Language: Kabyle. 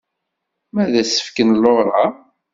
Wa d asefk n Laura?